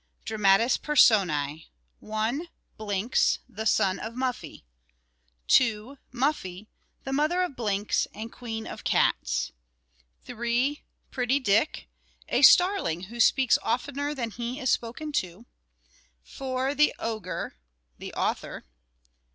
Dramatis Personæ. 1. BLINKS the son of Muffie. 2. MUFFIE the mother of Blinks and queen of cats. 3 PRETTY DICK a starling who speaks oftener than he is spoken to. 4. THE OGRE The Author.